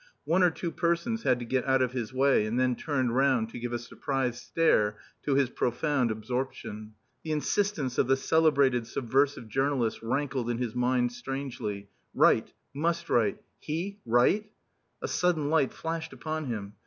One or two persons had to get out of his way, and then turned round to give a surprised stare to his profound absorption. The insistence of the celebrated subversive journalist rankled in his mind strangely. Write. Must write! He! Write! A sudden light flashed upon him.